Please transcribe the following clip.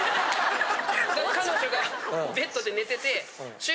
彼女がベッドで寝てて。